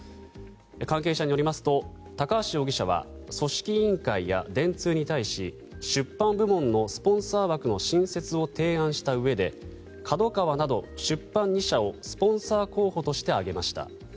関係者によりますと高橋容疑者は組織委員会や電通に対し出版部門のスポンサー枠の新設を提案したうえでＫＡＤＯＫＡＷＡなど出版２社をスポンサー候補として挙げました。